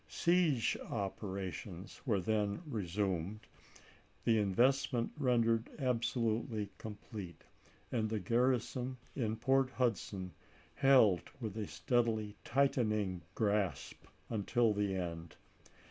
Siege operations were then resumed, the investment rendered absolutely complete, and the garrison in Port Hudson held with a steadily tightening grasp until the end.